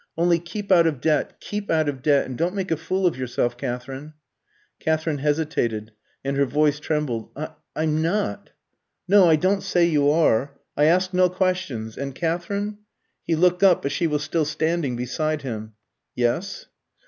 Only keep out of debt keep out of debt, and don't make a fool of yourself, Katherine." Katherine hesitated, and her voice trembled. "I I'm not " "No, I don't say you are. I ask no questions; and, Katherine!" he looked up, but she was still standing beside him. "Yes."